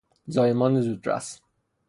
زایمان زودرس